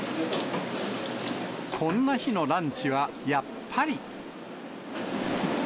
こんな日のランチはやっぱり。